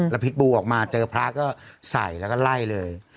แล้วพิษบูออกมาเจอพระก็ใส่แล้วก็ไล่เลย